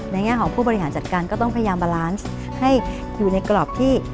แง่ของผู้บริหารจัดการก็ต้องพยายามบาลานซ์ให้อยู่ในกรอบที่